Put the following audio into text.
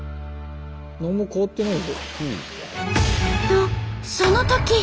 何も変わってない。